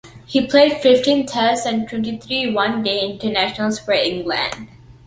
He played fifteen Tests and twenty-three One Day Internationals for England.